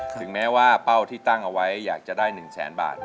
ถึงแม้ว่าเป้าที่ตั้งเอาไว้อยากจะได้๑แสนบาท